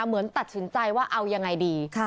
เหมือนตัดสินใจว่าเอายังไงดี